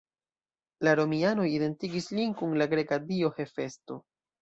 La romianoj identigis lin kun la greka dio Hefesto.